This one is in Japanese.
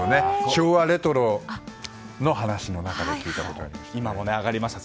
昭和レトロの話の中で聞いたことありました。